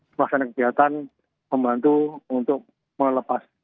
termasuk pengamanan dari pelaksanaan kegiatan membantu untuk melepas